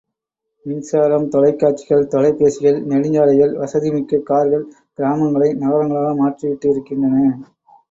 மின்சாரம், தொலைக் காட்சிகள், தொலைபேசிகள், நெடுஞ்சாலைகள், வசதிமிக்க கார்கள் கிராமங்களை நகரங்களாக மாற்றிவிட்டு இருக்கின்றன.